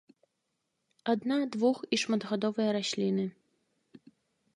Адна-, двух- і шматгадовыя расліны.